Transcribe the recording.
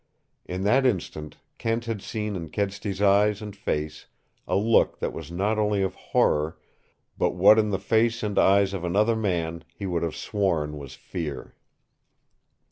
In that instant Kent had seen in Kedsty's eyes and face a look that was not only of horror, but what in the face and eyes of another man he would have sworn was fear.